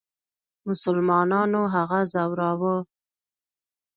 مسلمانانو هغه ځوراوه.